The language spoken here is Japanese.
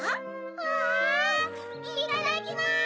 うわいただきます！